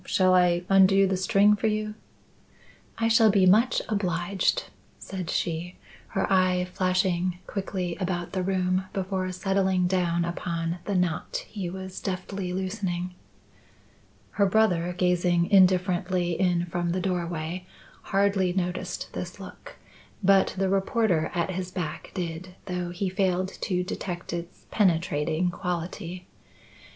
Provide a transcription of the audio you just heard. Shall I undo the string for you?" "I shall be much obliged," said she, her eye flashing quickly about the room before settling down upon the knot he was deftly loosening. Her brother, gazing indifferently in from the doorway, hardly noticed this look; but the reporter at his back did, though he failed to detect its penetrating quality.